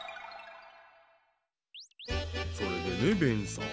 それでねベンさん。